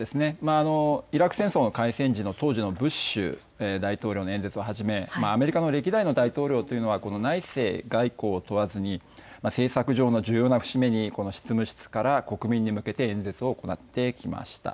イラク戦争の開戦時の当時のブッシュ大統領の演説をはじめアメリカの歴代の大統領というのは内政外交を問わずに政策上の重要な節目にこの執務室から国民に向けて演説を行ってきました。